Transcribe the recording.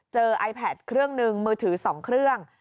ไอแพทเครื่องหนึ่งมือถือ๒เครื่อง